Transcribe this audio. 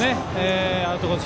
アウトコース